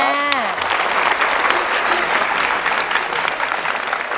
สวัสดีครับคุณแม่